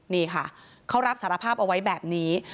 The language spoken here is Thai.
นี่ค่ะเขารับสารภาพเอาไว้แบบนี้